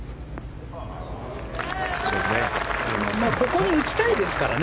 ここに打ちたいですからね